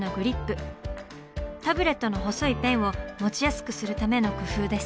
タブレットの細いペンを持ちやすくするための工夫です。